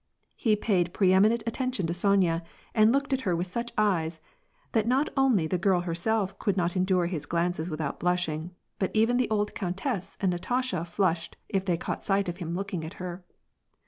He paid preeminent attention to Sonya, and looked at her with such eyes, that not only the girl her self could not endure his glances without blushing, but even the old countess and Natasha flushed if they caught sight of him looking at her.